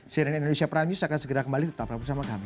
cnn indonesia prime news akan segera kembali tetap bersama kami